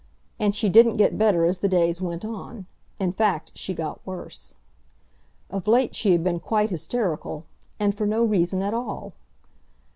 And she didn't get better as the days went on; in fact she got worse. Of late she had been quite hysterical, and for no reason at all!